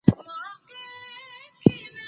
افغانستان کې باران د هنر په اثار کې منعکس کېږي.